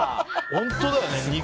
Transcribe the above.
本当だよね。